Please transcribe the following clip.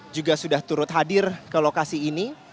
juga sudah turut hadir ke lokasi ini